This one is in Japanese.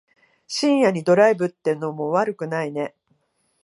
深夜にドライブってのも悪くないね。